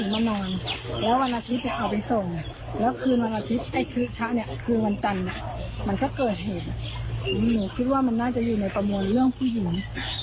มันก็เกิดเหตุหนูคิดว่ามันน่าจะอยู่ในประโมนเรื่องผู้หญิง